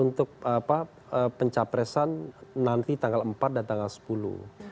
untuk pencapresan nanti tanggal empat dan tanggal sepuluh